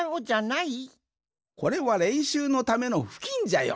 これはれんしゅうのためのふきんじゃよ。